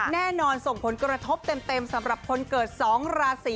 แน่นอนส่งผลกระทบเต็มสำหรับคนเกิด๒ราศี